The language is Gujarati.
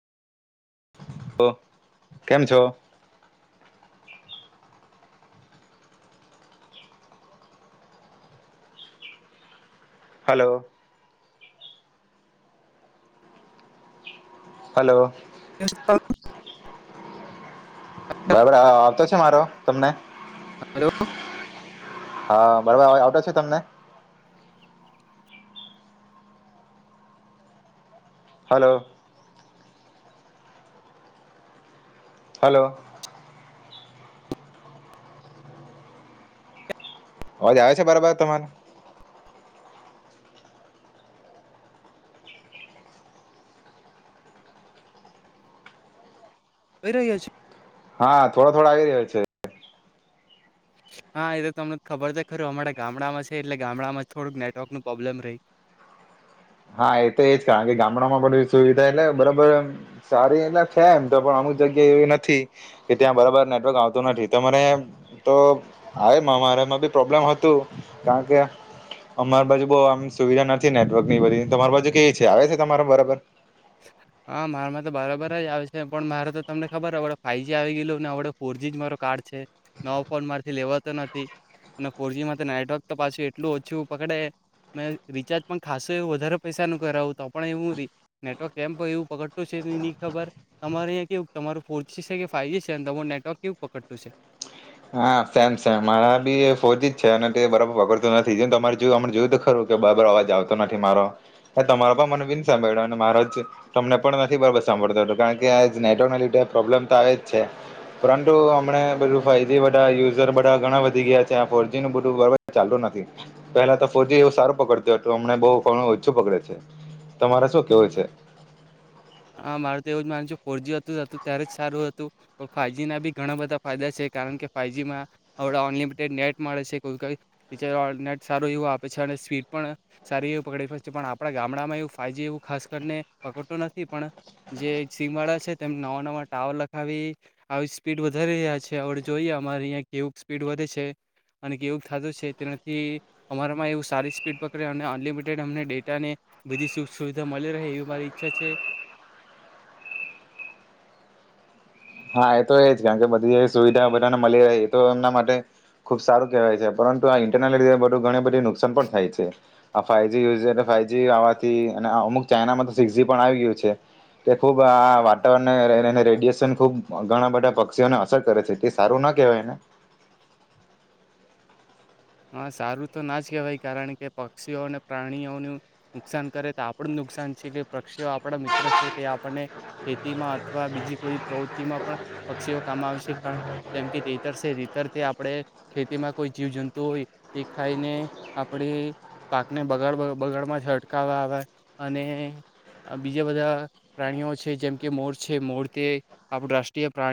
ઓ કેમ છો. હલો. હલો, હલો આવી બરાબર આવતો. [unintelligible] મારો તમને. હલો [unintelligible] હા બરોબર આવતા છે. તમને હલો. હલો. અવાજ આવે છે. બરાબર તમારે. કહી રહ્યા છે. હા થોડો થોડો આવી રહ્યો છે. હા એ તો તમને ખબર છે. ખરું અમારા ગામડામાં છે. એટલે ગામડામાં થોડુંક નેટવર્ક નું પ્રોબ્લેમ રહીં હા એ તો એજ કારણ કે ગામડામાં બધી સુવિધા એટલે બરાબર સારી એટલે છે એમ તો પણ અમુક જગ્યા એવી નથી કે ત્યાં બરાબર નેટવર્ક આવતુ નથી તમારે તો આવે એમ અમારામાં બી પ્રોબ્લેમ હતું કારણ કે અમારી બાજુ બહુ આમ સુવિધા નથી નેટવર્કની બધી. તમાર બાજુ કે છે. આવે છે. તમારે બરાબર હા મારામાં તો બરાબર જ આવે છે પણ મારે તો તમને ખબર આપડ ફાઇવજી આવી ગયેલું નેડ ફોરજી જ મારો કાર્ડ છે નવાો ફોન મારીથી લેવાતો નથી અને ફોરજી મા તો નેટવર્ક તો પાછું એટલું ઓછું પકડે મેં રિચાર્જ પણ ખાસું એવું વધારે પૈસા ન કરાવું તો પણ એ હું. નેટવર્ક સીમ એવું પકડતું છે. એની ખબર તમારે અહીંયા કેવું તમારું ફોર જ છે કે ફાઈવ જી છે. અને તમારું નેટવર્ક કેવું પકડતું છે. હા સેમસંગ મારા બી ફોજી જ છે અને તે બરાબર પકડતું નથી જે તમારે જો જોયું ખરું કે બરાબર અવાજ આવતો નથી મારો એ તમારો પણ મને બીન સાંભળ્યો અને મારો જ તમને પણ નથી બરાબર સાંભળતો હતો કારણ કે આ નેટવર્ક ના લીધ પ્રોબ્લેમ તો આવે જ છે. પરંતુ હમને બધું ફ યુઝર બા ઘણા વધી ગયા છે ફોરજી નું બધું ચાલુ નથી પેલા તો ફોરજી એવું સારું પકડતું હતું અમને બહુ ઓછું પકડે છે. તમારે શું કેવું છે. હ મારું તો એવું જ માનું છેું ફોરજી હતું જ હતું ત્યારે જ સારું હતું ફાવજી ના બી ઘણા બધા ફાયદા છે કારણ કે ફાજીમાં આપ અનલિમિટેડ નેટ મળે છે કોઈ નેટ સારું એવું આપે છે અને સ્પીડ પણ સારી એવું પકડી શકે છે. પણ આપડા ગામડામાં એવું ફાઈજી એવું ખાસ કરીને પકડતું નથી. પણ જે સીમ વાળા છે તેમ નવા નવા ટાવર લખાવી આવી સ્પીડ વધારી રહ્યા છે હડ જોઈએ અમારે અહીં કેવું સ્પીડ વધે છે અને કેવું થતું છે તેનાથી અમારામાં એવું સારી સ્પીડ પકડે અને અનલિમિટેડ અમને ડેટા ને બધી સુખ સુવિધા મળી રહે એવી મારી ઈચ્છા છે. હા એ તો એ જ કારણ કે બધી સુવિધા બધાને મળી રહે એ તો એમના માટે ખુબ સારું કહેવાય છે પરંતુ આ ઇન્ટરનેટી બધું ઘણી બધું નુકસાન પણ થાય છે આ ફાઇવ જ યુઝ ફાઇવજી આવવાથી અને અમુક ચાાઈનામાં તો સિક્સ જી પણ આવી ગયું છે. કે ખૂબ આ વાતાવરણને રેડિયેશન ખૂબજ ઘણા બધા પક્ષીઓને અસર કરે છે. તે સારું ના કેહેવાય ને. હા સારું તો ના જ કેહેવાય કારણ કે પક્ષીઓ અને પ્રાણીઓનું નુકસાન કરે તો આપણું નુકસાન છે કે પક્ષીઓ આપણા મિત્ર છે તે આપણને ખેતીમાં અથવા બીજી કોઈ પ્રવૃત્તિમાં પણ પક્ષીઓ કામ આવે છે. જેમ કે ખેતર ખેતરથી આપણે ખેતીમાં કોઈ જીવ જંતુ. તોય તે ખાઈને આપણે પાકને બગાડ બગાડમાં જ અટકાવવા આવે અને બીજા બધા પ્રાણીઓ છે. જેમકે મોર છે. મોર તે આપ રાષ્ટ્રીય પ્રાણી